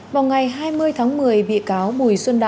vào ngày hai mươi tháng một mươi bị cáo bùi xuân đạt